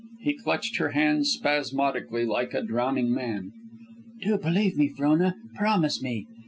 He clutched her hands spasmodically, like a drowning man. "Do believe me, Frona. Promise me."